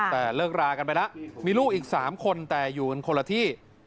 แต่เลิกรากันไปแล้วมีลูกอีก๓คนแต่อยู่กันคนละที่